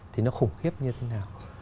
thì nó khủng khiếp như thế nào